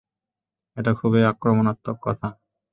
এটা খুবই আক্রমণাত্মক কথা।